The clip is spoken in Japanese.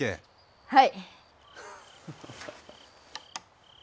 はい！